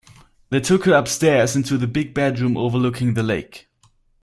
They took her upstairs into the big bedroom overlooking the lake.